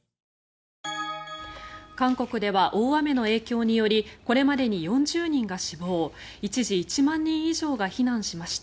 韓国では大雨の影響によりこれまでに４０人が死亡一時１万人以上が避難しました。